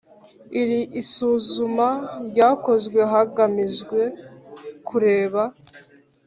Iri isuzuma ryakozwe hagamijwe kureba